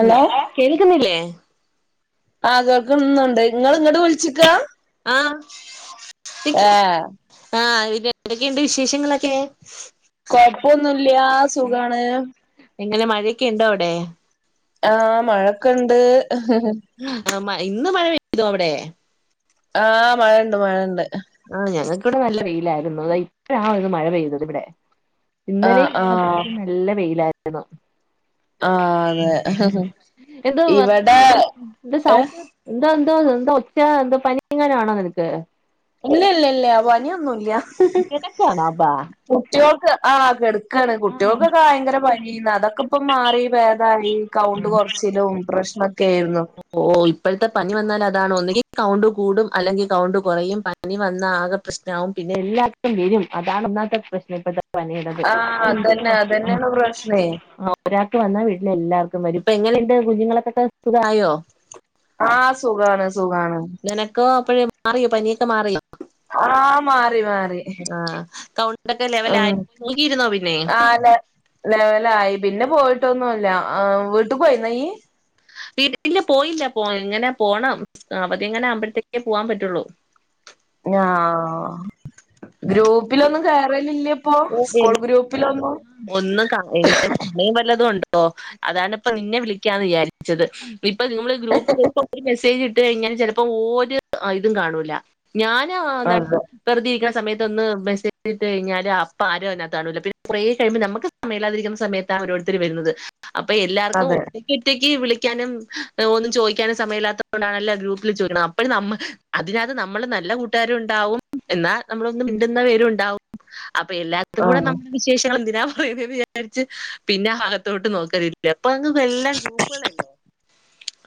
Hello കേൾക്കുന്നില്ലേ. ആ കേൾക്കുന്നുണ്ട് നിങ്ങള് ഇങ്ങട്ട് വുളിച്ചിക്ക. ആഹ് ശക്ക്. ആഹ് ഇവിടെക്കെയണ്ട് വിശേഷങ്ങളൊക്കെ. കൊഴപ്പൊന്നുല്ല്യ സുഖാണ്. എങ്ങനെ മഴക്കെ ഇണ്ടോ അവിടെ. ആഹ് മഴൊക്കണ്ട്. ഹ് ഹ് ആ ഇന്ന് മഴ പെയ്തോ അവടെ. ആഹ് മഴണ്ട് മഴണ്ട്. ആ ഞങ്ങൾക്കിവിടെ നല്ല വെയിലായിയിരുന്നു അ ഇത ഇപ്പഴ ഒരു മഴ പെയ്തത് ഇവിടെ. ആ ഇന്നലെ ആ ഇങ്ങോട്ടൊക്ക നല്ല വെയിലായിരുന്നു. ആ അതെ എന്ത വ ഇവിടെ സൗ [inaudible] എന്താ എന്തോ എന്താ ഒച്ച എന്താ പനി എങ്ങനാണോ നിനക്ക്. ഇല്ല ഇല്ല ഇല്ല പനിയൊന്നുല്ല. കിടക്കാണോ അപ്പ. കുട്ടികൾക്ക് ആ കെടക്കാണ് കുട്ടികൾക്കൊക്കെ ഭയങ്കര പ അതൊക്കെ ഇപ്പ മാറി ഭേദായി കൗണ്ട് കൊറച്ചിലും പ്രശ്നൊക്കെ ആയിരുന്നു. ഓ ഇപ്പോഴത്തെ പനി വന്നാൽ അതാണ് ഒന്നിങ്കി കൗണ്ട് കൂടും അല്ലെങ്കി കൗണ്ട് കുറയും ആഹ് പനി വന്ന ആകെ പ്രശ്നാവും പിന്നെ എല്ലാർക്കും വരും അതാണ് ഒന്നാത്തെ പ്രശ്നം ഇപ്പത്തെ പനിയടത്. ആ അതന്നെ അതന്നെയാണ് പ്രശ്നേ ഒരാൾക്ക് വന്നാ വീട്ടിലെ എല്ലാർക്കുംവരും ഇപ്പ എങ്ങനെണ്ട് കുഞ്ഞുങ്ങളക്കൊക്കെ സുഖായോ. ആഹ് സുഖാണ് സുഖാണ്. നിനക്കോ അപ്പോഴേ മാറിയോ പനിയൊക്കെ മാറിയോ? ആഹ മാറി മാറി ആഹ് കൗണ്ടൊക്കെ ലെവല ഉം ആയിരിക്ക നോക്കിയിരുന്നോ പിന്നെ ആഹ് ലെ ലെവലായി പിന്നെ പോയിട്ടൊന്നുല്ല ആ വീട്ടിൽ പോയിനോ യ്യ് വീട്ടെ പോയില്ല പോ ഇങ്ങനെ പോകണം അവധി ഇങ്ങനെ ആ കുമ്പോഴത്തേക്കേ പോകാൻ പറ്റുള്ളൂ. ആഹ ഗ്രൂപ്പിലൊന്നും കേറലില്ലേ പ്പോ ഓപിന്നെ ഒന്ന് കാണലില്ല സമയം വല്ലതുണ്ടോ പ്പോ അതാണ് ഇപ്പോ നിന്നെ വിളിക്കാന്ന് വിചാരിച്ചത് ഇപ്പോ നിങ്ങൾ ഗ്രൂപ്പിലോട്ട് ഒരു മെസ്സേജ് ഇട്ട് കഴിഞ്ഞൻ ചിലപ്പോ ഒരു ഇതും കാണൂല ഞൻ എന്താണ് അതെ വെറുതി ഇരിക്കുന്ന സമയത്ത ഒന്ന് മെസേ്ട്ട് കഴിഞ്ഞാല് അ പാരം അതിനകത്താണൂല്ല പിന്നെ കുറെ കഴുമ്പോ നമുക്ക് സമല്ലാതിരിക്കുന്ന സമയത്ത ഓരോരുത്തരും വരുന്നത് അപ്പൊ എല്ലാർക്കും അതെ ഒരു കുറ്റേക്ക് വിളിക്കാനും ഒന്നും ചോദിക്കാനും സമയമല്ലാത്തത കൊണ്ടാണല്ല ഗ്രൂപ്പിൽ ചോദിക്കുന്നത് അപ്പോഴും നമ്മക്ക് അതിനക നമ്മള് നല്ല കൂട്ടുകാരുംഉണ്ടാവും എന്നാ നമ്മളൊന്ന് മിണ്ടുന്ന പേരും ഉണ്ടാവും അപ്പൊ എല്ലാർത്തും കൂടെ ആഹ് നമ്മുടെ വിശേഷങ്ങൾ എന്തിനാ വിചാരിച്ച് പിന്നെ ഭാഗത്തോട്ട് നോക്കലില്ല. അപ്പൊക്ക് വല്ല ഗൂപ്പുകളല്ലോ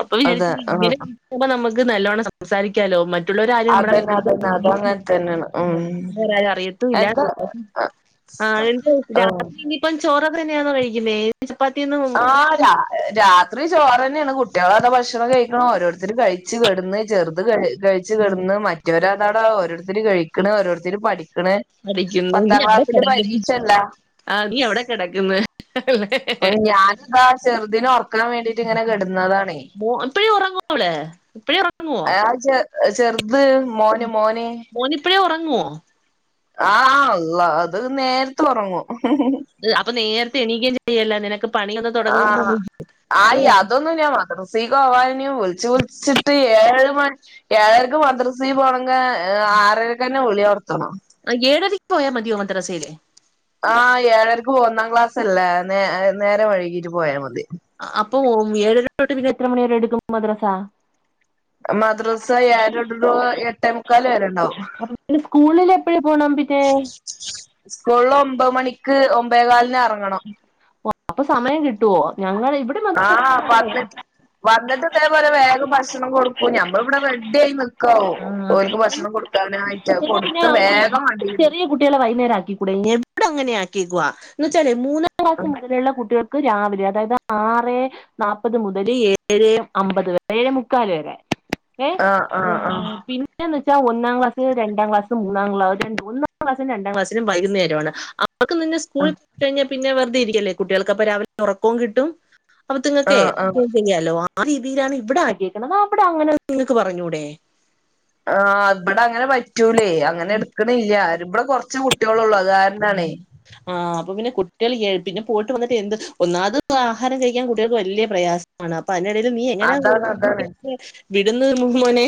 അപ്പൊ വിചാരിച്ച അതെ ആഹ് ഇങ്ങനെ അപ്പൊ നമുക്ക് നല്ലോണം സംസാരിക്കാലോ മറ്റ മുള്ളാരാരും അതന്നെ അതന്നെ അത് നമ്മളെ അങ്ങനെ തന്നെയാണ് ഉം ത്തും അറിയത്തൂല്ല എന്താ ആന്നിട്ട് ആഹ് രാത്രി ഇനിയിപ്പം ചോറ തന്നെയാണോ കഴിക്കുന്നേ ചപ്പാത്തി ഒന്നും ആ രാ രാത്രി ചോറ് തന്നെയാണ്. കുട്ടികളതാ ഭക്ഷണം കഴിക്കുണു ഓരോരുത്തരും കഴിച്ച് കെടന്ന് ചെർ അത് കഴിച്ച് കിടന്ന് മറ്റവരാതാട ഓരോരുത്തര് കഴിക്കണ് ഓരോരുത്തര് പഠി ണ് അടിക്കുന്നു നീ പത്താം എവിടെ ക്ലാസ്സില് കിടക്കുന്നു പരീക്ഷല്ലേ ആ നീ എവിടെ കിടക്കന്ന് അല്ലെ അപ്പം ഞാനിതാ ചെറുദിനെ ഉറക്കാൻ വേണ്ടിട്ട് ഇങ്ങനെ കിടുന്നതാണേ ഇപ്പഴേ ഉറങ്ങുള്ളൂ ല്ല ഇപ്പഴേ ഒറങ്ങുവോ ഏഹ് ചെറുത് മോന് മോന് മോനിപ്പഴേ ഒറങ്ങോ ആഹ് അള്ളാ അത് നേരത്തെ ഒറങ്ങും. അപ്പൊ നേരത്തെ എണീക്കും ചെയ്യല്ലേ നിനക്ക് പണിയൊന്നും തുടങ്ങുന്നു ആഹ് ആയി അതൊന്നും ല്യമ മദ്രസീക്ക് പോവാൻ വിളിച്ച് വിളിച്ചിട്ട് ഏഴ് മ ഏഴരക്ക് മദ്രസീ പോണങ്കി ആറരക്ക് തന്നെ വിളി തൊട്ങ്ങണം. ആഹ് ഏഴരക്ക്പോയ മതിയോ മദ്രസയില് ആ ഏഴരക്ക് ഒന്നാം ക്ലാസ് അല്ലേ നേ നേരെ വയ്കീട്ട് പോയാൽ മതി. അപ്പൊ ഏഴര തൊട്ടക്ക് എത്ര മണി വരെ എടുക്കും മദ്രസ മദ്രാസ ഏഴര തൊട്ടിട്ട് എട്ടെ മുക്കാല് വരെണ്ടാവും. അപ്പോ സ്കൂളിൽ എപ്പഴാ പോണം പിന്നെ സ്കൂളില് ഒമ്പത് മണിക്ക് ഒമ്പേകാലിന് അറങ്ങണം. അപ്പൊ സമയം കിട്ടുവോ ഞങ്ങള് ഇവിടെ മാത്രം ആഹ് അങ്ങനെയാ. പത്ത് വന്നിട്ട് ഇതേപോലെ വേഗം ഭക്ഷണം കൊടുക്കും ഞമ്മള് ഇവിടെ റെഡി ആയി നക്കാവും ആ, ഓൽക്ക് ഭക്ഷണം കൊടുക്കാനായിട്ടാ എന്നാ പിന്നെ കൊടുത്ത് വേഗം വണ്ടി വരും ചെറിയ കുട്ടികളെ വൈകുന്നേം ആക്കിക്കൂടെ എവിടക്കങ്ങനെ ആക്കിക്കുവാ എന്ന് വച്ചാല് മൂന്നാം ക്ലാസ് നിക്കും കുട്ടികൾക്ക് രാവിലെ അതായത് ആറ് നാപ്പത് മുതല് ഏഴ് അമ്പത് വരെ ഏഴേ മുക്കാല് വരെ ഏഹ് ആഹ് ആഹ് ആഹ് പിന്നെ ന്ന് വെച്ചാ ഒന്നാം ക്ലാസ് രണ്ടാം ക്ലാസ് മൂന്നാംക്ലാസ്ണ്ട് ഒന്നാം ക്ലാസും രണ്ടാം ക്ലാസും വൈകുന്നേരമാണ്. അവക്ക് പിന്നെ സ്കൂള് ആഹ് കഴിഞ്ഞാൽ പിന്നെ വെറുതെ ഇരിക്കല്ലേ കുട്ടികൾക്കപ്പ രാവിലെ ഉറക്കവും കിട്ടും അപ്പൊത്ത്ങ്ങൾക്കെ ആഹ് ആഹ് [unintelligible] ചെയ്യാലോ? ആ രീതിയിലാണ് ഇവിടെ ആക്കിക്കുന്നത് അവിടെ അങ്ങനെ നിങ്ങക്ക് പറഞ്ഞൂടെ ആഹ് ഇവിടെ അങ്ങനെ പറ്റൂലേ അങ്ങനെ എടുക്കണില്ല ഇവിടെ കൊറച്ച് കുട്ടികളള്ളു അത് കാരണം കൊണ്ടാണ് ആഹ് അപ്പൊ പിന്നെ കുട്ടികൾ പിന്നെ പോയിട്ട് വന്നിട്ട് എന്ത് ഒന്നാത് ആഹാരം കഴിക്കാൻ കുട്ടികൾക്ക് വലിയ പ്രയാസം ആണ് അപ്പൊ അതിനിടയിലും നീ അതാണ് അതാണ് എങ്ങനാരിക്കും വിടുന്നത് മോനെ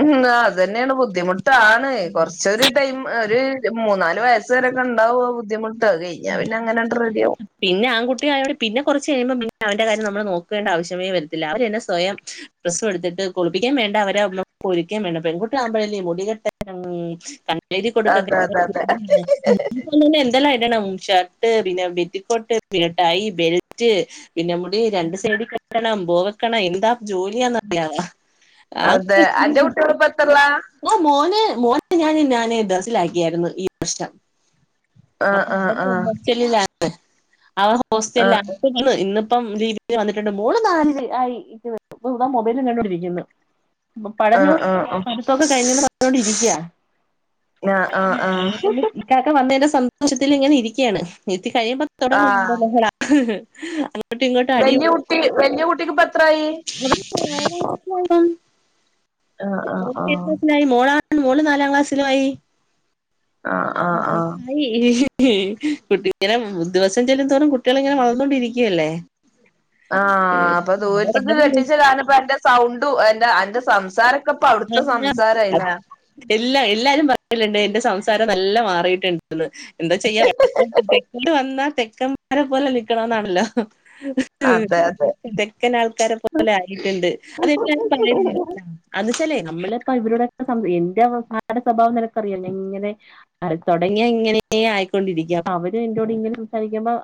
ഉം അത് തന്നെയാണ് ബുദ്ധിമുട്ടാണ് കൊറച്ചരു ടൈം ഒരു മൂന്നാല് വയസ് കൊർച്ചെടൊക്കെ ഉണ്ടാവോ ബുദ്ധിമുട്ട് അത് കഴിഞ്ഞാ ആഹ് പിന്നെ അങ്ങനെണ്ട് റെഡിയാവും പിന്നെ ആൺകുട്ടിയായോടെ പിന്നെ കൊറച്ച് കഴിയുമ്പോ അവന്റെ കാര്യം നമ്മൾ നോക്കേണ്ട ആവശ്യമേ വരത്തില്ല അവര് തന്നെ സ്വയം ഡ്രസ്സ്‌ എടുത്തിട്ട് കുളിപ്പിക്കാൻ വേണ്ട അവരെ അവക്കാൻ വേണ്ട പെൺകുട്ടിയാമ്പോ മുടികെട്ട ക എഴുതി കൊടുക്ക അതെ അതെ അതെ [unintelligible] എന്തല്ല ണം ഷർട്ട് പിന്നെ പെറ്റിക്കോട്ട് പിന്നെ ടൈ ബെൽറ്റ് പിന്നെ മുടി രണ്ട് സൈഡ് ണം പോക്കണം എന്താ ജോലിയാന്നറിയാവാ അതെ അന്റെ ആഹ് കുട്ടികളിപ്പോ എത്രയിലാ ആ മോനെ മോനെ ഞാൻ ന്നാനെ ദർസിലാക്കിയായിരുന്നു ഈ പ്രശ്നം ആഹ് അപ്പൊ ആഹ് അവര് ആഹ് ഹോസ്റ്റലിലാക്കി അവൻ ഹോസ്റ്റലിലാ ഇന്ന് ഇന്നിപ്പം ലീവിന് വന്നിട്ടുണ്ട് മോള് താ മൊബൈലും കണ്ടോണ്ടി രിക്കുന്നത് ആഹ് പടഞ്ഞൂർ ആഹ് ആഹ് ആഹ് പടുപ്പൊക്കെ കഴിഞ്ഞ് പറഞ്ഞോണ്ടിരിക്കയാ ആഹ് ആഹ് ആഹ് ഇക്കാക്ക വന്നതിന്റെ സന്തോഷത്തില് ഇങ്ങനെ ഇരിക്കുകയാണ് എത്തി കഴിയുമ്പം തുടങ്ങ ആഹ് ലഹള അങ്ങോട്ടും ഇങ്ങോട്ടും അടി [unintelligible] വല്യ കുട്ടിക്ക് എത്രായി ആഹ് ആഹ് ആഹ് [unintelligible] മോളാ മോള് നാലാം ക്ലാസ്സിലയി ആഹ് ആഹ് ആഹ് കുട്ടിങ്ങനെ ദിവസം ചെല്ലും തോറും കുട്ടികള് ഇങ്ങനെ വളർന്നോണ്ടിരിക്കുവല്ലേ ആഹ് അപ്പൊ ദൂരത്ത്ക്ക് കെട്ടിച്ച് കാനപ്പ അന്റെ സൗണ്ടും എന്റെ അന്റെ സംസാര ക്കെപ്പ അവുട്ത്തെ സംസാരയില്ലെ? എല്ലാ എല്ലാരും പറയല്ണ്ട് എന്റെ സംസാരം നല്ല മാറിയിട്ട്ണ്ട് എന്താ ചെയ്യ തെക്ക വന്നാ തെക്കം ക്കാരെ പോലെ നിക്കണന്നാണല്ലോ ത് അതെ അതെ തെക്കൻ ആൾക്കാരെ പോലെ ആയിട്ടുണ്ട് അതെല്ലാരും പറയല്ണ്ട് അതെന്ന് വച്ചേലെ നമ്മളൊക്കെ ഇവരുടെക്കെ എന്റെ ഭാർത്താവിന്റെ സ്വഭാവം നിനക്കറിയല്ലെ ഇങ്ങനെ അ തുടങ്ങിയ ഇങ്ങനെ ആയിക്കൊണ്ടിരിക്കുക അപ്പൊ അവരും എന്നോട് ഇങ്ങനെ സംസാരിക്കുമ്പോ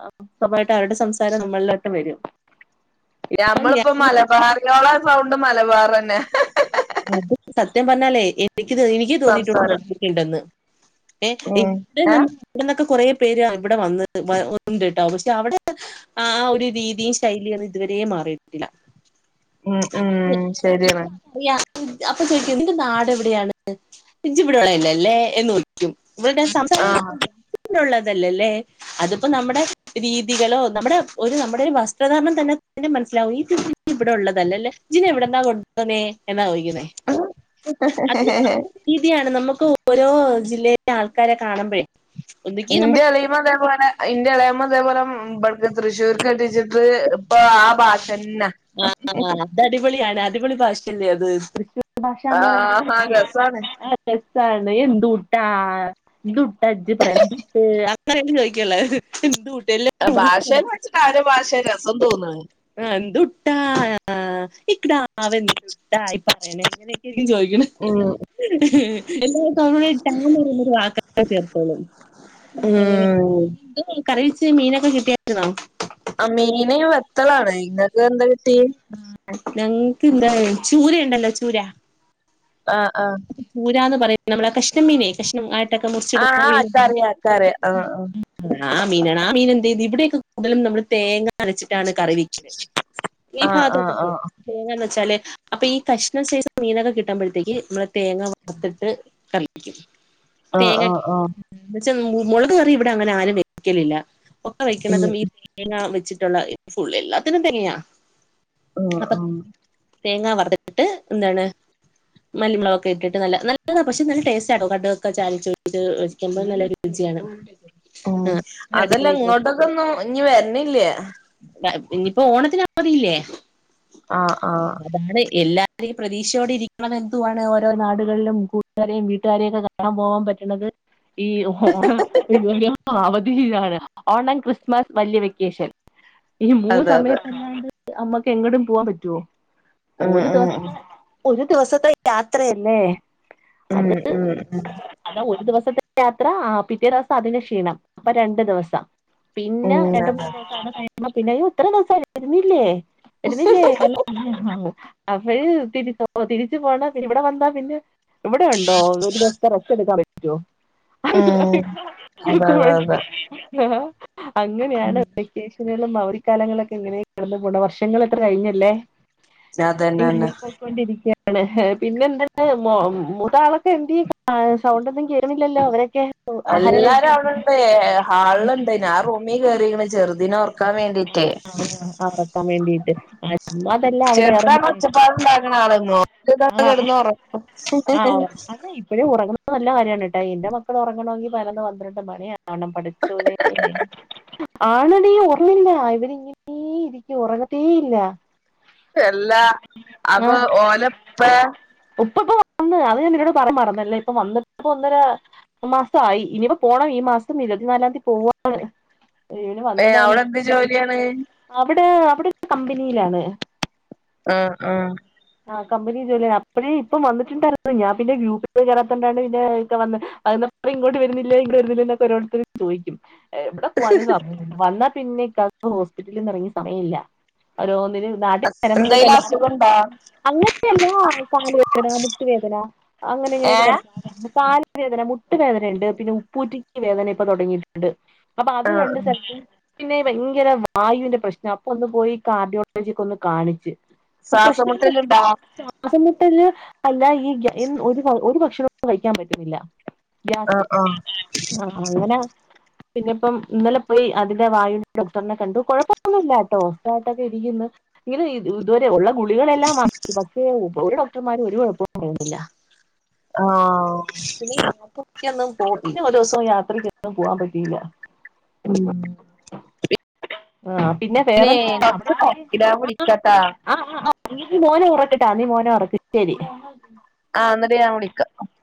സമായിട്ട് അവരുടെ സംസാരം നമ്മളിലോട്ട് വരും അപ്പൊ ഞാൻ ഞമ്മളിപ്പോ മലബാറിയാളെ സൗണ്ട് മലബാറന്നെ അത് സത്യം പറഞ്ഞാലേ എനിക്ക് എനിക്ക് തോന്നിട്ടണ്ട് സംസാരം നോക്കിട്ടുണ്ടെന്ന് ഏ ഉം ഇവിടെ ഏഹ് നമ്മ ഇവിടെന്നൊക്കെ കൊറേ പേര് ഇവിടെ വന്ന് ഒണ്ട് ട്ടോ പക്ഷെ അവിടെ ആഹ് ഒരു രീതിയും ശൈലിയ ഒന്നും ഇതുവരെയ മാറിയിട്ടില്ല ഉം ഉം ശരിയണ് അറിയ അപ്പൊ ചോദിക്ക നിന്റെ നാട് എവിടെയാണ് ഇജ്ജ് ഇവിടെളല്ലേ ല്ലേ എന്ന് ചോയി ക്കും ഇവൾടെ സംസാരം കേട്ട ഉള്ളതലല്ലേ? അതിപ്പോ നമ്മുടെ രീതികളോ നമ്മുടെ ഒരു നമ്മുടൊരു വസ്ത്രധാരണം തന്നെ തന്നെ മനസ്സിലാവും ഇത് ഇവിടെ ഉള്ളതല്ലല്ലേ ഇജിനെവിടെന്നാ കൊണ്ടോന്നേ എന്നാ ചോയിക്കുന്നേ. ഉ രീതിയാണ് നമുക്ക് ഓരോ ജില്ലയിലെ ആൾക്കാരെ കാണുമ്പഴെ ഇന്റെ എളമ ഇതേപോലെ ഇന്റെ എളമ ഇതേപോലെ തൃശ്ശൂർക്ക് കെട്ടിച്ചിട്ട് ഇപ്പൊ ആഹ് ഭാഷന്നെ ആഹ് അത് അടിപൊളിയാണ് അടിപൊളി ഭാഷയല്ലേ അത് തൃശ്ശൂ ആ ഭാഷന്ന് ആ രസാണ് [unintelligible] എന്തൂട്ടാ എന്ത്ട്ട ജ്ജ് പറട്ട് അങ്ങനും ചോദിക്കള്ള എട്ടല്ല ആ ഭാഷേന്ന് വെച്ചിട്ട് ആഒരു ഭാഷ രസം തോന്ന്ന്ന് ആ എന്തുട്ടാ ഇക്ക്ടാവ് എന്തുട്ടായി പറയണെ അങ്ങനൊക്കേയിരിക്കും ചോയിക്ക്ണെ ഉം എല്ലാ താഴത്തങ്ങുന്നൊരുന്നൊരു വാക്ക ചേർത്തോളും. എങ്ങനെ ഉം കറിവെച്ച് മീനൊക്കെ കിട്ടിയായിരുന്നോ? ആ മീന് വത്തളാണ്. ഇങ്ങക്കെന്താ കിട്ടിയെ? ആഹ് ഞങ്ങക്കെന്താ ചൂര ഇണ്ടല്ലോ ചൂരാ. ആഹ് ആഹ്. പൂരാന്ന് പറയി നമ്മളെ കഷ്ണ മീനേ കഷ്ണം ആയിട്ടൊക്കെ ആഹ് മുറിച്ചിടുന്ന ആഹ് മീന്. ഇക്കറിയാ ഇക്കറിയാ ആഹ് ആ മീനാണ് ആ മീനെന്തെയ്ത് ഇവിടെയൊക്കെ കൂടുതലും നമ്മള് തേങ്ങ അരച്ചിട്ടാണ് കറി വെക്കണ് ഈ ആഹ് ആഹ് ഭാത്തോട്ടൊക്കെ. ആഹ് തേങ്ങന്നച്ചാല് അപ്പ ഈഷ്ണ സെസ് മീനൊക്കെ കിട്ടുമ്പോഴത്തേക്ക് മ്മൾ തേങ്ങ വറുത്തിട്ട് കറിവെക്കും. ആഹ് തേങ്ങ ആഹ് ആഹ് വെച്ചാ മുളക് കറി ഇവിടെ അങ്ങനെ ആരും വെക്കലില്ല ഒക്കെ ഉം വെക്കണതും തേങ്ങ വെച്ചിട്ടുള്ള ഫുള്ള് എല്ലാത്തിലും തേങ്ങയാ. ആഹ് അപ്പൊ ആഹ് തേങ്ങ വറതിട്ട് എന്താണ് മല്ലിമുളകൊ ഇട്ടിട്ട് നല്ല നല്ലതാ പക്ഷെ നല്ല ടേസ്റ്റാട്ടോ കട്കൊക്കെ ചാലിച്ച്ട്ട് ഒഴിക്കുമ്പോ നല്ല രുചിയാണ്. മ് ആ ഒരു അതെല്ല അടിപൊളി ഇങ്ങോട്ടൊക്കൊന്നും ഇഞ്ഞ് വര്ണില്ലേ? ത ഇഞ്ഞിപ്പോ ഓണത്തിനവധയില്ലേ? ആഹ് ആഹ് അതാണ് എല്ലാ രേം പ്രതീക്ഷയോടെ ഇരിക്കണതെന്തുവാണ് ഓരോ നാടുകളിലും കൂട്ടുകാരെയും വീട്ടുകാരെയൊക്കെ കാണാൻ പോകാൻ പറ്റ്ണത്. ഈ ഓണ [unintelligible] അവധീയാണ് ഓണം, ക്രിസ്മസ്, വല്ല്യ വെക്കേഷൻ. ഈ മൂന്ന് അതെ അതെ സമയത്തല്ലാണ്ട് അമ്മക്ക് എങ്ങടും പോവാൻ പറ്റോ? ഉം ഒരു ഉം ദിവസത്തെ ഒരു ദിവസത്തെ യാത്രയല്ലേ? മ്ഹ് മ്ഹ് മ്ഹ് അത ഒരു ദിവസത്തെ യാത്ര ആഹ് പിറ്റേ ദിവസം അതിൻ്റെ ക്ഷീണം അപ്പൊ രണ്ടു ദിവസം. പിന്നെ ഉം രണ്ട് അതെ മൂന്ന് ദിവസവ്‌ടെ കഴിയുമ്പോ പിന്നെ യ്യോ ഇത്ര ദിവസായി വരുന്നില്ലേ? വരുന്നില്ലേ [unintelligible] അപ്പൊയ് തിരി പോ തിരിച്ചു പോണ പി ഇവിടെ വന്നാ പിന്നെ ഇവിടെ ഉണ്ടോ ഒരു ദിവസ്ത്തെ റസ്റ്റെടുക്കാൻ പറ്റോ? അല്ല ഉം ഇങ്ങളെ അതെ അതെ ഇതുവഴി അതെ ആ അങ്ങനെയാണ്. വെക്കേഷനുകളും അവധി കാലങ്ങളൊക്കെ ഇങ്ങനെ കടന്നു പോണ് വർഷങ്ങളെത്ര കഴിഞ്ഞുല്ലേ? [inaudible] അതന്നെന്നെ ക്കൊണ്ടിരിക്കാണ് പിന്നെന്തെപ്പോ മോ മൂത്താളൊക്കെന്തിയേ ആ സൗണ്ടൊന്നും കേന്നില്ലല്ലോ അവരൊക്കെ? ആഹാരം കഴിക്കും എല്ലാരുവ്ട്ണ്ട് എ ഹാള്ൾണ്ട് ഞാ റൂമി കേറിക്ക്ണ് ചെറു ഇതിനൊർക്കാ വേണ്ടീട്ടേ. ഉറക്കാൻ വേണ്ടിയിട്ട് അതല്ല അവിടെ ഇറങ്ങി ചെറുതാണോ ച്ചപ്പാട്ണ്ടാക്ക്ണ ആള് [unintelligible] കെട്ന്നൊറങ്ങും ഇപ്പൊഴെ ഉറങ്ങുന്നത് നല്ല കാര്യാണ് ട്ടോ എന്റെ മക്കൾ ഒറങ്ങണെങ്കിൽ പയിനൊന്ന് പന്ത്രണ്ട് മണിയാവണം പടച്ചോനെ ആണെടീ ഉറങ്ങില്ല ഇവരിങ്ങനേ ഇരിക്കും ഉറങ്ങത്തേ ഇല്ല. എല്ലാ ആ അപ്പൊ ഓലപ്പെ? ഉപ്പ ഇപ്പൊ വന്നു അത് ഞാ നിന്നോട് പറയാൻ മറന്നല്ലേ ഇപ്പൊ വന്നിട്ട് പ്പൊന്നരാ മാസായി ഇനിയിപ്പോ പോണം ഈ മാസം ഇരുപത്തിനാലാന്തി പോവാണ്. ഏഹ് അവിടെ എന്ത് ജോലിയാണ് അവിടെ അവിടെ ഒരു കമ്പനിയിലാണ് ആഹ് ആഹ് ആഹ് കമ്പനി ജോലിയാണ്, അപ്പഴെ ഇപ്പം വന്നിട്ടുണ്ടായിരുന്നു ഞാ പിന്നെ ഗ്രൂപ്പില് കേറാത്തോണ്ടാണ് പിന്നെ ക്ക വന്ന് അ്ന്ന് പ്പ ഇങ്ങോട്ട് വരുന്നില്ലെ ഇങ്ങോട്ട് വരുന്നില്ലന്നൊക്ക ഓരോര്ത്തര് ചോയിക്കും. എവിടെ പോവാനും സമയല്ല വന്നാ പിന്നെക്കാക്ക് ഹോസ്പിറ്റലിന്ന് ഇറങ്ങി സമയില്ല ഓരോന്നിന് നാട്ടി വരമ്പകി എന്തേലും തന്നെ അസുഖണ്ടോ ഉമ്മയ്ക്കെല്ലാ കാല് വേദന മുട്ടുവേദന അങ്ങനെ ഇങ്ങനൊക്കെ ഏഹ് പറയും കാല് വേദന മുട്ട് വേദന ഉണ്ട് പിന്നെ ഉപ്പൂറ്റിക്ക് വേദന ഇപ്പൊ തൊടങ്ങീട്ട് ണ്ട് അപ്പൊ അത് ആഹ് രണ്ട് ആഹ് സ്ഥലത്ത് പിന്നെ ഭയങ്കര വായുവിന്റെ പ്രശ്ന അപ്പൊ ഒന്ന് പോയി കാർഡിയോളജിയൊക്കൊന്ന് കാണിച്ച്. ആഹ് പ്രശ്നല്ല ശ്വാസംമുട്ടലുണ്ടോ ശ്വാസംമുട്ടൽ അല്ല ഈഏ ഒരു ഒരു ഭക്ഷണോന്നും കഴിക്കാൻ പറ്റുന്നില്ല ഗ്യാസ് ആഹ് ആഹ് ആഹ് അങ്ങനെ പിന്നെ ഇപ്പം ഇന്നലെ പോയി അതിന്റെ പിന്നെപ്പോ ഇന്നലെ പോയി അതിന്റെ വായു ഡോക്ടറിനെ കണ്ടു കുഴപ്പമൊന്നുമില്ല കേട്ടോ സുഗായിട്ടൊക്കെ ഇരിക്കുന്നു ഇത് ഇതുവരെ ഉള്ള ഗുളികളെല്ലാം [inaudible] പക്ഷേ ഒരു ഡോക്ടർമാരും ഒരു കുഴപ്പവും പറയുന്നില്ല ആഹ് ഇനി യാത്രയ്ക്കൊന്നും പോ പിന്നെ ഒരുസം യാത്രക്കൊന്നും പോവാൻ പറ്റിയില്ല ഉം ആ പിന്നെ വേറെന്ത അവിടെ കൊറച്ച് തെരക്കിലാ ഞാൻ [unintelligible] വിളിക്കാട്ടാ ആ ആ ആ നീ മോനെ ഉറക്ക്ട്ടാ നീ മോനെ ഉറക്ക് ശരി [unintelligible] ആ എന്നിട്ട് ഞാൻ വിളിക്കാം